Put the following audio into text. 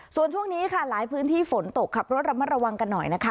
ส่วนช่วงนี้ค่ะหลายพื้นที่ฝนตกขับรถระมัดระวังกันหน่อยนะคะ